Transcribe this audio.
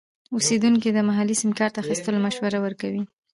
اوسیدونکي د محلي سیم کارت اخیستلو مشوره ورکوي.